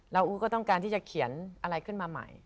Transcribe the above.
แล้วอู๋ก็ต้องการที่จะเขียนอะไรขึ้นมาใหม่